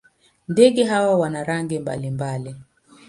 Ndege hawa wana rangi mbalimbali.